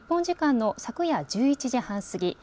時間の昨夜１１時半過ぎ